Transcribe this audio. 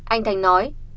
anh thành nói